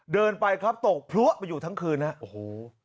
เดินไปครับตกพลัวไปอยู่ทั้งคืนฮะโอ้โห